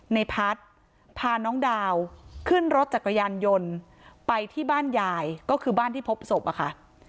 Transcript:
ในพัฒน์พาน้องดาวขึ้นรถจักรยานยนต์ไปที่บ้านยายก็คือบ้านที่พบศพอะค่ะ